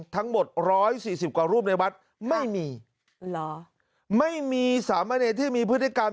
ทั้งหมดร้อยสี่สิบกว่ารูปในวัดไม่มีสามเณรที่มีพฤติกรรม